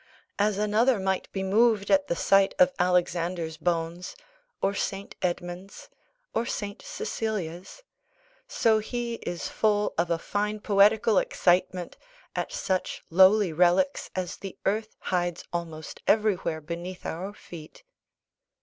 As another might be moved at the sight of Alexander's bones, or Saint Edmund's, or Saint Cecilia's, so he is full of a fine poetical excitement at such lowly relics as the earth hides almost everywhere beneath our feet.